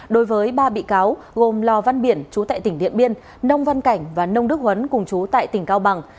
đối với ba bị cáo gồm lò văn biển chú tại tỉnh điện biên nông văn cảnh và nông đức huấn cùng chú tại tỉnh cao bằng